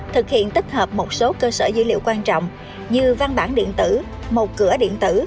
thực hiện tích hợp một số cơ sở dữ liệu quan trọng như văn bản điện tử một cửa điện tử